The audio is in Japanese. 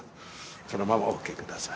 そのままお受け下さい。